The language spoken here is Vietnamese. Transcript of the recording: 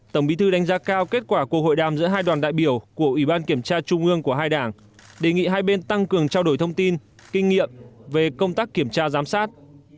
tổng bí thư đánh giá cao kết quả của hội đàm giữa hai đoàn đại biểu của ủy ban kiểm tra trung ương của hai đảng đề nghị hai bên tăng cường trao đổi thông tin kinh nghiệm về công tác kiểm tra giám sát